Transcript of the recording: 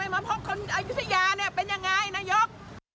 ให้มาพบคนอายุทยาเนี่ยเป็นอย่างไรไอ้นายก